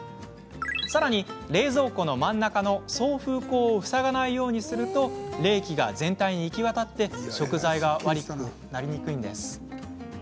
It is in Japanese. さらに、冷蔵庫の真ん中の送風口を塞がないようにすると冷気が全体に行き渡って食材が悪くなりにくいんです。